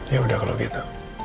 ya udah kalau gitu